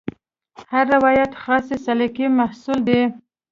هر روایت خاصې سلیقې محصول دی.